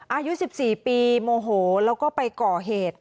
อายุ๑๔ปีโมโหแล้วก็ไปก่อเหตุ